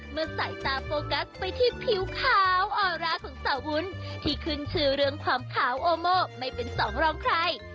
เมื่อสายตาโฟกัสไปที่ผิวขาวออร่าของสาววุ้นที่ขึ้นชื่อเรื่องความขาวโอโมไม่เป็นสองรองใคร